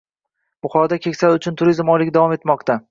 Buxoroda \Keksalar uchun turizm oyligi\" davom etmoqdang"